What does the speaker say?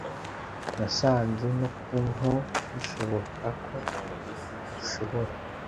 nasanze no ku nkoo bishoboka ko dushobora